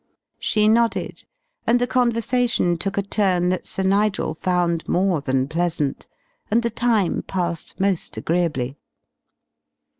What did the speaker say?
She nodded, and the conversation took a turn that Sir Nigel found more than pleasant, and the time passed most agreeably.